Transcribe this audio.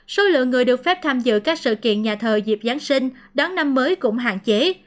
số lượng người được phép tham dự các sự kiện nhà thờ dịp giáng sinh đón năm mới cũng hạn chế